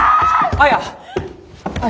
綾。